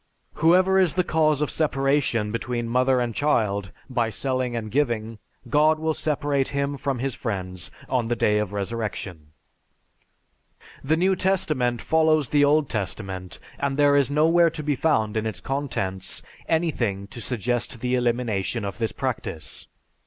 Whoever is the cause of separation between mother and child by selling and giving, God will separate him from his friends on the day of resurrection." The New Testament follows the Old Testament, and there is nowhere to be found in its contents anything to suggest the elimination of this practice.